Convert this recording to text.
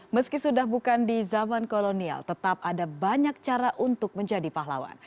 meski sudah bukan di zaman kolonial tetap ada banyak cara untuk menjadi pahlawan